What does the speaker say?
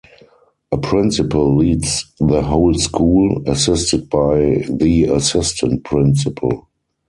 A Principal leads the whole school assisted by the Assistant Principal.